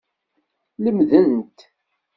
Lemdent.